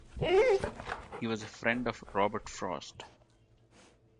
He was a friend of Robert Frost.